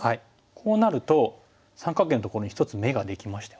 こうなると三角形のところに１つ眼ができましたよね。